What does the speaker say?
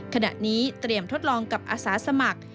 ขณะนี้เตรียมทดลองกับอาสาสมัคร